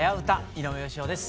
井上芳雄です。